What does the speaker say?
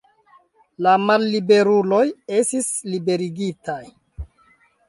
La malliberuloj estis liberigitaj.